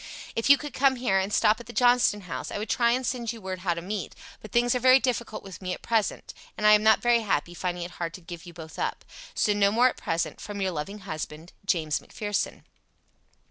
If you could come here and stop at the Johnston House I would try and send you word how to meet, but things are very difficult with me at present, and I am not very happy, finding it hard to give you both up. So no more at present, from your loving husband, "James McPherson."